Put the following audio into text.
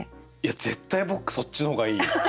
絶対僕そっちの方がいい。